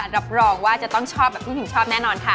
รับรองว่าจะต้องชอบแบบที่พิมชอบแน่นอนค่ะ